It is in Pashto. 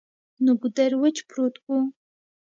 نو ګودر وچ پروت وو ـ